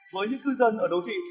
với những cư dân ở đô thị